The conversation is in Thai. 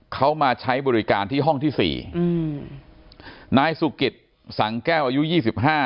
เขามาใช้บริการที่ห้องที่สี่อืมนายสุกิตสังแก้วอายุยี่สิบห้า